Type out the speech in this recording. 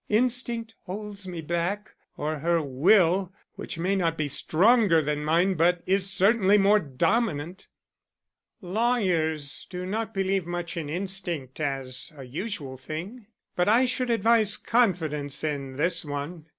Instinct holds me back, or her will, which may not be stronger than mine but is certainly more dominant." "Lawyers do not believe much in instinct as a usual thing, but I should advise confidence in this one.